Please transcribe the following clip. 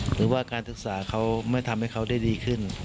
หรือว่าการศึกษาเขาไม่ทำให้เขาได้ดีขึ้น